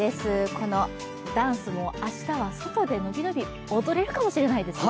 このダンスも明日は外で伸び伸び踊れるかもしれないですね。